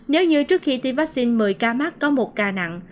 nếu như trước khi tiêm vaccine một mươi ca mắc có một ca nặng